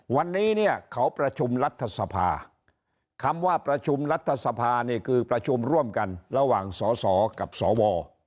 วันนี้เนี่ยเขาประชุมรัฐสภาคำว่าประชุมรัฐสภาเนี่ยคือประชุมร่วมกันระหว่างสสกับสว